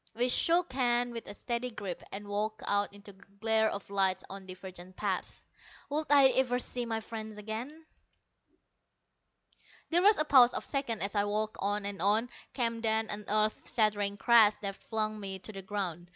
We shook hands with a steady grip, and walked out into the glare of light, on divergent paths. Would I ever see my friend again? There was a pause of seconds as I walked on and on; came then an earth shattering crash that flung me to the ground.